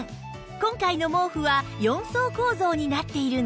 今回の毛布は４層構造になっているんです